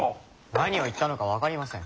何を言ったのか分かりません。